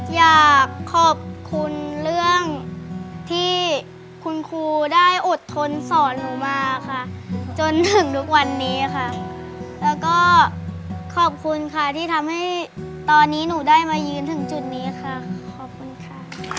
อยากขอบคุณเรื่องที่คุณครูได้อดทนสอนหนูมาค่ะจนถึงทุกวันนี้ค่ะแล้วก็ขอบคุณค่ะที่ทำให้ตอนนี้หนูได้มายืนถึงจุดนี้ค่ะขอบคุณค่ะ